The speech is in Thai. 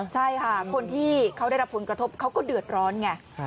ใช่ค่ะคนที่เขาได้รับผลกระทบเขาก็เดือดร้อนไง